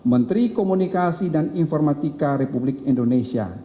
menteri komunikasi dan informatika republik indonesia